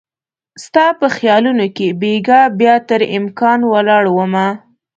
ستا په خیالونو کې بیګا بیا تر امکان ولاړ مه